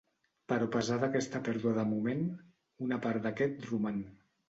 Però a pesar d'aquesta pèrdua de moment una part d'aquest roman.